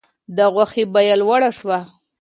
د غوښې بیه لوړه شوه.